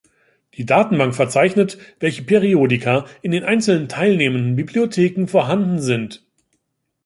Die Datenbank verzeichnet, welche Periodika in den einzelnen teilnehmenden Bibliotheken vorhanden sind.